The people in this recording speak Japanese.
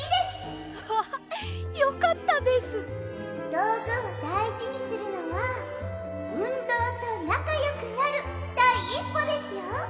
どうぐをだいじにするのはうんどうとなかよくなるだいいっぽですよ。